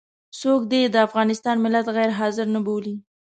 څوک دې د افغانستان ملت غير حاضر نه بولي.